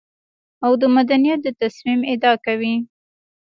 او د مدنيت د تصميم ادعا کوي.